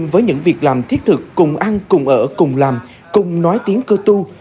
với những việc làm thiết thực cùng ăn cùng ở cùng làm cùng nói tiếng cơ tu